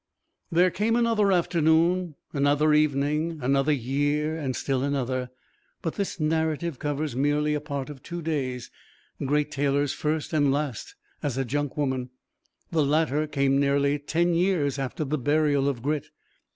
There came another afternoon, another evening, another year, and still another; but this narrative covers merely a part of two days Great Taylor's first and last as a junk woman. The latter came nearly ten years after the burial of Grit.